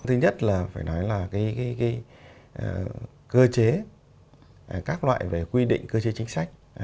thứ nhất là phải nói là cơ chế các loại về quy định cơ chế chính sách